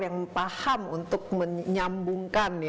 yang paham untuk menyambungkan